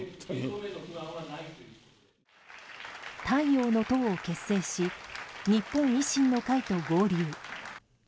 太陽の党を結成し日本維新の会と合流。